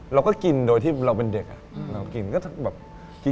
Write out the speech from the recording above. เราก็กินโดยที่เราเป็นเด็ก